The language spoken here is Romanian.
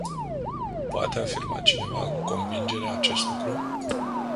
Poate afirma cineva cu convingere acest lucru?